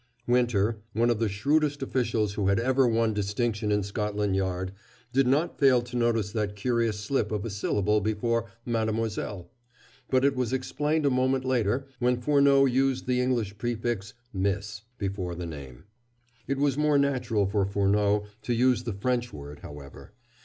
Winter, one of the shrewdest officials who had ever won distinction in Scotland Yard, did not fail to notice that curious slip of a syllable before "Mademoiselle," but it was explained a moment later when Furneaux used the English prefix "Miss" before the name. It was more natural for Furneaux to use the French word, however.